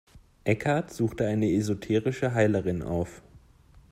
Eckhart suchte eine esoterische Heilerin auf.